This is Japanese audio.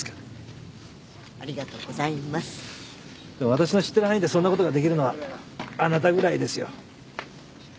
私の知ってる範囲でそんなことができるのはあなたぐらいですよ。